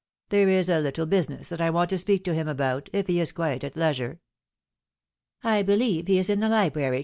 There is a little business that I want to speak to him about, if he is quite at leisure." ■ "I beheve he is in the library.